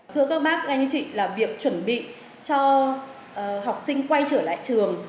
thưa các bác anh chị là việc chuẩn bị cho học sinh quay trở lại trường